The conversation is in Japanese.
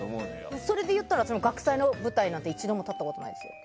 それでいったら学祭の舞台は一度も立ったことないですね。